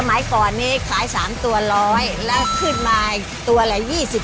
หมายก่อนนี้ขาย๓ตัว๑๐๐แล้วขึ้นมาตัวละ๒๐